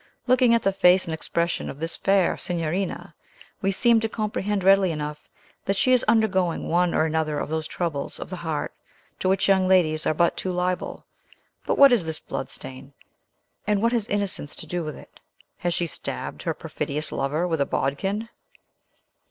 Looking at the face and expression of this fair signorina, we seem to comprehend readily enough, that she is undergoing one or another of those troubles of the heart to which young ladies are but too liable. But what is this blood stain? And what has innocence to do with it? Has she stabbed her perfidious lover with a bodkin?"